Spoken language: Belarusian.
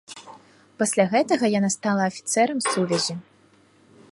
Пасля гэтага яна стала афіцэрам сувязі.